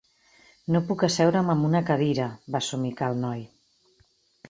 "No puc asseure'm en una cadira", va somicar el noi.